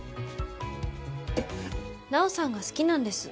ナオさんが好きなんです。